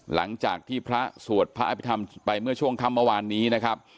หลังจากที่พระสวดพระอภิษฐรรมไปเมื่อช่วงค่ำเมื่อวานนี้นะครับ